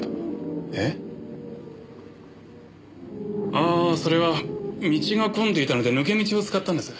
ああそれは道が混んでいたので抜け道を使ったんです。